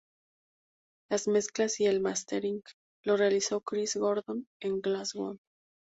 Las mezclas y el mastering lo realizó Chris Gordon en Glasgow.